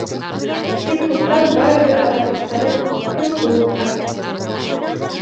Тик туптан барыбер атасаҡтары көн кеүек асыҡ.